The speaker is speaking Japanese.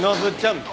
ん？